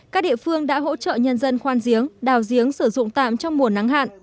các địa phương đã hỗ trợ nhân dân khoan giếng đào giếng sử dụng tạm trong mùa nắng hạn